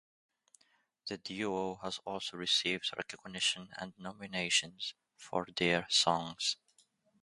The duo has also received recognition and nominations for their songs.